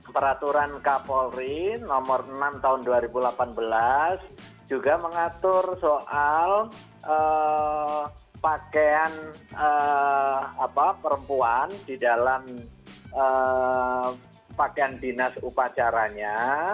peraturan kapolri nomor enam tahun dua ribu delapan belas juga mengatur soal pakaian perempuan di dalam pakaian dinas upacaranya